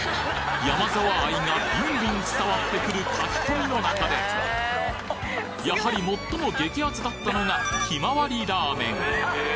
ヤマザワ愛がぐんぐん伝わってくる書き込みの中でやはり最も激熱だったのがひまわりラーメン